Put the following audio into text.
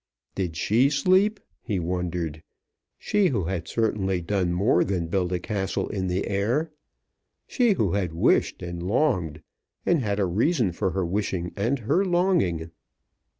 Did she sleep; he wondered, she who had certainly done more than build a castle in the air; she who had wished and longed, and had a reason for her wishing and her longing?